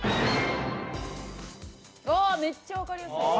うわ、めっちゃ分かりやすい。